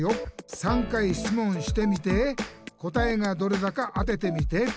「３回しつもんしてみて答えがどれだか当ててみて！」